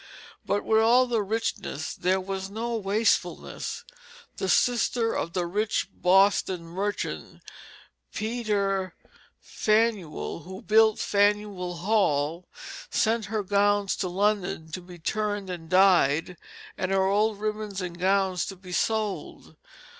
But with all the richness there was no wastefulness. The sister of the rich Boston merchant, Peter Faneuil, who built Faneuil Hall, sent her gowns to London to be turned and dyed, and her old ribbons and gowns to be sold.